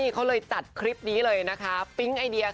เขาเลยจัดคลิปนี้เลยนะคะปิ๊งไอเดีย